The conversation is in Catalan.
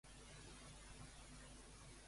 M'abelleix connectar la ràdio.